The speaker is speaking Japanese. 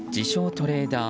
トレーダー